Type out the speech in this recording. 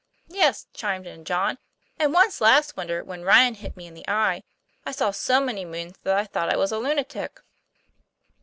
'Yes," chimed in John, " and once last winter when Ryan hit me in the eye, I saw so many moons that I thought I was a lunatic."